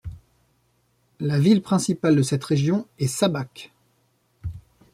La ville principale de cette région est Šabac.